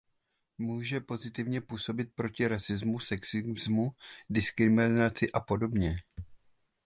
Může pozitivně působit proti rasismu, sexismu, diskriminaci apod.